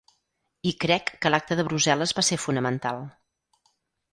I crec que l’acte de Brussel·les va ser fonamental.